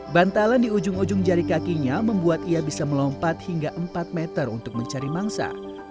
bantalan di ujung ujung jari kakinya membuat ia bisa melompat hingga empat meter untuk mencari mangsa